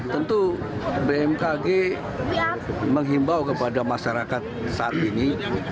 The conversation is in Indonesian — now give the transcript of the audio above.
tentu bmkg menghimbau kepada masyarakat saat ini